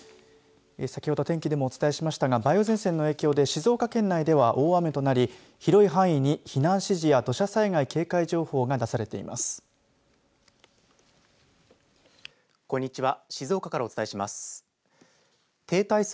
先ほど天気でもお伝えしましたが梅雨前線の影響で静岡県内では大雨となり広い範囲に避難指示や土砂災害警戒情報が出されています。